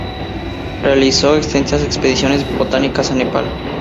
Realizó extensas expediciones botánicas a Nepal.